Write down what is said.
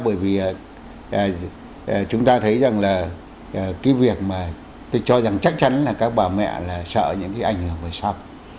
bởi vì chúng ta thấy rằng là cái việc mà tôi cho rằng chắc chắn là các bà mẹ là sợ những cái ảnh hưởng về sau